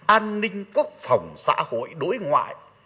an ninh quốc phòng xã hội đối ngoại